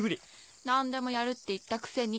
何でもやるって言ったくせに。